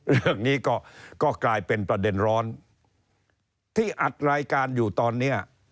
เรื่องนี้ก็กลายเป็นประเด็นร้อนที่อัดรายการอยู่ตอนนี้